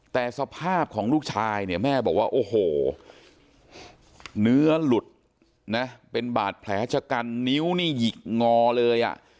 แต่สภาพของลูกชายเนี่ยแม่บอกว่าโอ้โหเนื้อหลุดนะเป็นบาดแผลชะกันนิ้วนี่หยิกงอเลยอ่ะ